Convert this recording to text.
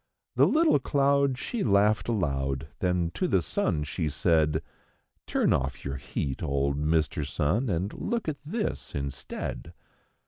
The little cloud she laughed aloud; then to the sun she said: 'Turn off your heat, old Mr. Sun, and look at this instead."